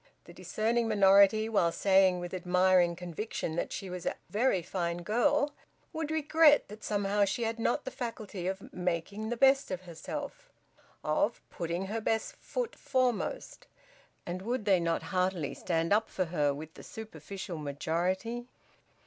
The discerning minority, while saying with admiring conviction that she was `a very fine girl,' would regret that somehow she had not the faculty of `making the best of herself,' of `putting her best foot foremost.' And would they not heartily stand up for her with the superficial majority!